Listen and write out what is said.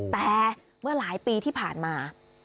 แต่เมื่อหลายปีที่ผ่านมา